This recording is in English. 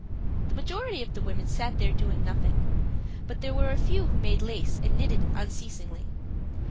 The majority of the women sat there doing nothing, but there were a few who made lace and knitted unceasingly.